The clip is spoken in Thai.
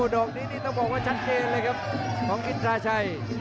ดอกนี้นี่ต้องบอกว่าชัดเจนเลยครับของอินทราชัย